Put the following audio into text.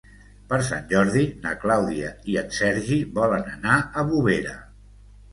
Per Sant Jordi na Clàudia i en Sergi volen anar a Bovera.